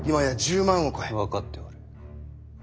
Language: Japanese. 分かっておる。